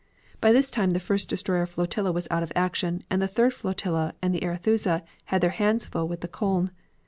By this time the first destroyer flotilla was out of action and the third flotilla and the Arethusa had their hands full with the Koln.